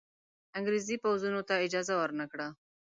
انګرېزي پوځونو ته اجازه ورنه کړه.